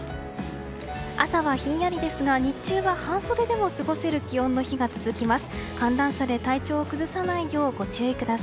朝はひんやりですが日中は半袖でも過ごせる気温の日が続きます。